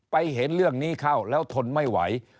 เห็นเรื่องนี้เข้าแล้วทนไม่ไหว